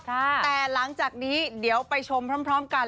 แต่หลังจากนี้เดี๋ยวไปชมพร้อมกัน